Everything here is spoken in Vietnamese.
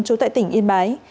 trú tại tỉnh yên bái